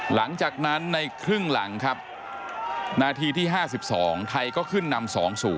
หลังจากนั้นในครึ่งหลังครับนาทีที่๕๒ไทยก็ขึ้นนำ๒๐